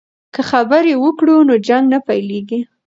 که خبرې وکړو نو جنګ نه پیلیږي.